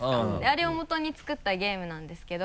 あれをもとに作ったゲームなんですけど。